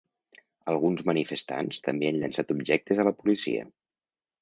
Alguns manifestants també han llançat objectes a la policia.